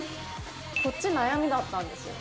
こっち悩みだったんですよ。